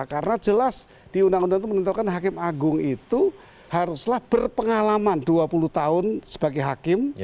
karena jelas di undang undang itu menentukan hakim agung itu haruslah berpengalaman dua puluh tahun sebagai hakim